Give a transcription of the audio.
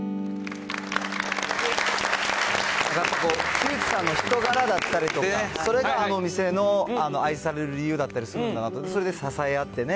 木内さんの人柄だったりとか、それがあのお店の愛される理由だったりするのかなって、それで支え合ってね。